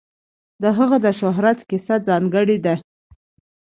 د هغه د شهرت کیسه ځانګړې ده.